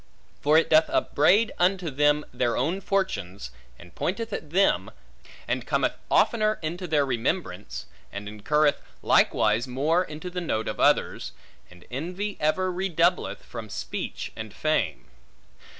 For it doth upbraid unto them their own fortunes, and pointeth at them, and cometh oftener into their remembrance, and incurreth likewise more into the note of others; and envy ever redoubleth from speech and fame.